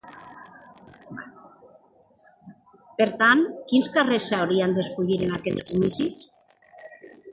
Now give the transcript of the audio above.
Per tant, quins càrrecs s'hauran d'escollir en aquests comicis?